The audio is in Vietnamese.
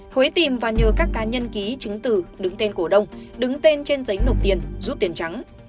huế tìm và nhờ các cá nhân ký chứng từ đứng tên cổ đông đứng tên trên giấy nộp tiền rút tiền trắng